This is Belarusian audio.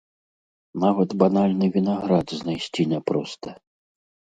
Нават банальны вінаград знайсці няпроста.